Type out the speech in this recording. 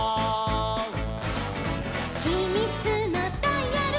「ひみつのダイヤル」